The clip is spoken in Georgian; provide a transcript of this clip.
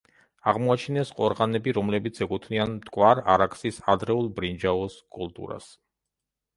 აღმოაჩინეს ყორღანები, რომლებიც ეკუთვნიან მტკვარ-არაქსის ადრეულ ბრინჯაოს კულტურას.